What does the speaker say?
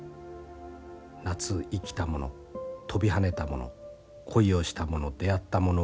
夏生きたもの跳びはねたもの恋をしたもの出会ったもの